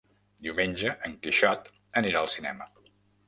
Diumenge en Quixot anirà al cinema.